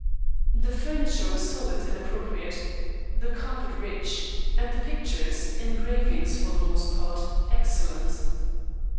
The furniture was solid and appropriate, the carpet rich, and the pictures, engravings for the most part, excellent.